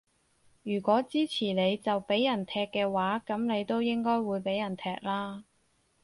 如果支持你就畀人踢嘅話，噉你都應該會畀人踢啦